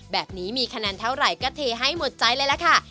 แบบนี้มีคะแนนเท่าไหร่ก็เทให้หมดใจเลยล่ะค่ะ